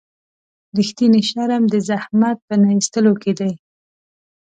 رښتینی شرم د زحمت په نه ایستلو کې دی.